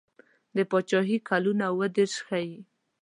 د پاچهي کلونه اووه دېرش ښيي.